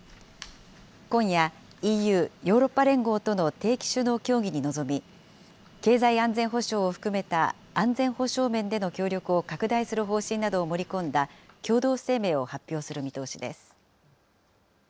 今夜、ＥＵ・ヨーロッパ連合との定期首脳協議に臨み、経済安全保障を含めた安全保障面での協力を拡大する方針などを盛り込んだ共同声明を発表する見通しです。